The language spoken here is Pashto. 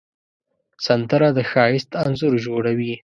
سندره د ښایست انځور جوړوي